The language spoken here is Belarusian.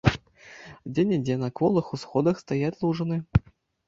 Дзе-нідзе на кволых усходах стаяць лужыны.